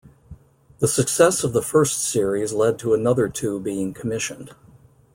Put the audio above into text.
The success of the first series led to another two being commissioned.